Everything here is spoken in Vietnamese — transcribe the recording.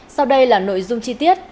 sau đây là nội dung chi tiết